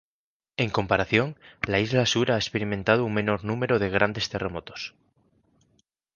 En comparación, la isla Sur ha experimentado un menor número de grandes terremotos.